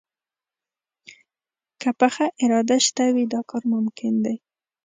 که پخه اراده شته وي، دا کار ممکن دی